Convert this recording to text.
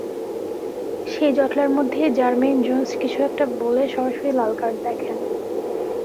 সেই জটলার মধ্যেই Jermaine Jones কিছু একটা বলে সরাসরি লাল কার্ড দেখেন।